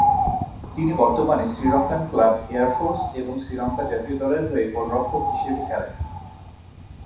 তিনি বর্তমানে Sri Lankan club air force এবং শ্রীলঙ্কা জাতীয় দলের হয়ে গোলরক্ষক হিসেবে খেলেন।